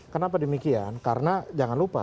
kenapa demikian karena jangan lupa